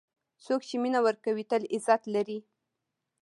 څوک چې مینه ورکوي، تل عزت لري.